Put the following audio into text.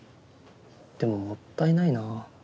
でももったいないな。